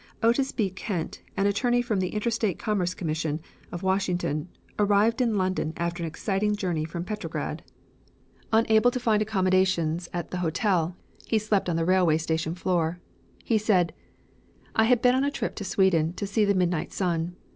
Otis B. Kent, an attorney for the Interstate Commerce Commission, of Washington, arrived in London after an exciting journey from Petrograd. Unable to find accommodations at a hotel he slept on the railway station floor. He said: "I had been on a trip to Sweden to see the midnight sun.